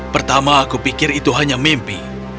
pertama aku pikir itu hanya mimpi